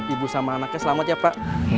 ibu sama anaknya selamat ya pak